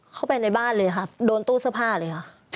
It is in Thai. เข้าไปในบ้านเลยค่ะโดนตู้เสื้อผ้าเลยค่ะ